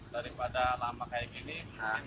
daripada lama kayak gini